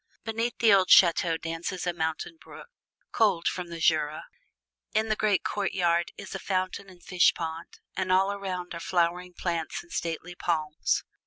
Beneath the old chateau dances a mountain brook, cold from the Jura; in the great courtway is a fountain and fish pond, and all around are flowering plants and stately palms.